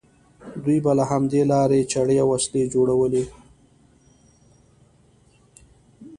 دوی به له همدې لارې چړې او وسلې جوړولې.